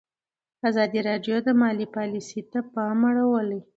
ازادي راډیو د مالي پالیسي ته پام اړولی.